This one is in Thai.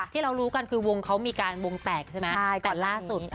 ที่เรารู้กันคือวงเขามีการวงแตกใช่ไหม